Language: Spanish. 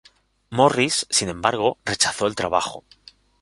Morris, sin embargo, rechazó el trabajo.